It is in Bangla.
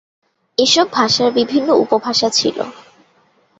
এসব ভাষার বিভিন্ন উপভাষা ছিল।